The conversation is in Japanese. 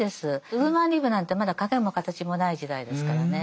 ウーマンリブなんてまだ影も形もない時代ですからね。